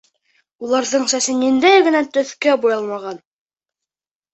Уларҙың сәсе ниндәй генә төҫкә буялмаған!